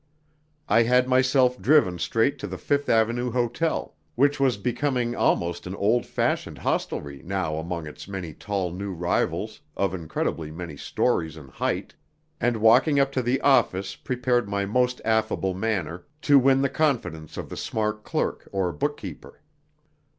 I had myself driven straight to the Fifth Avenue Hotel, which was becoming almost an old fashioned hostelry now among its many tall new rivals of incredibly many storeys in height, and walking up to the "office" prepared my most affable manner, to win the confidence of the smart "clerk" or book keeper.